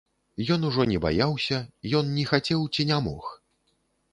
Ён ужо не баяўся, ён не хацеў ці не мог.